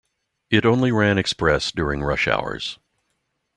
It only ran express during rush hours.